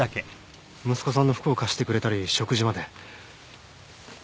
息子さんの服を貸してくれたり食事まで。